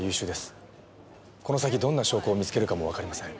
この先どんな証拠を見つけるかもわかりません。